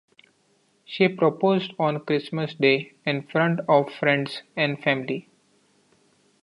She proposed on Christmas Day in front of friends and family.